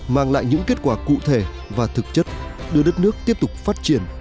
mang lại những kết quả cụ thể và thực chất đưa đất nước tiếp tục phát triển